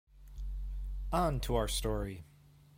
On to our story!